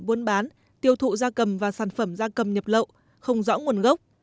buôn bán tiêu thụ da cầm và sản phẩm da cầm nhập lậu không rõ nguồn gốc